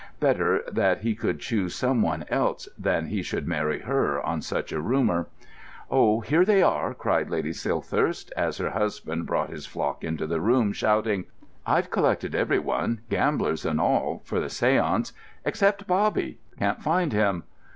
Better that he should choose some one else than that he should marry her on such a rumour! "Oh, here they are!" cried Lady Silthirsk, as her husband brought his flock into the room, shouting: "I've collected every one, gamblers and all, for the séance—except Bobby. Can't find him."